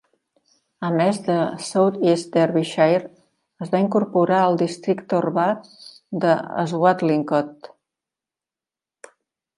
A més de South East Derbyshire, es va incorporar el districte urbà de Swadlincote.